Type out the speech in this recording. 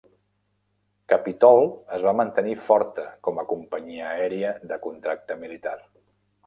Capitol es va mantenir forta com a companyia aèria de contracte militar.